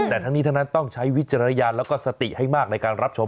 แต่ทั้งนี้ทั้งนั้นต้องใช้วิจารณญาณแล้วก็สติให้มากในการรับชม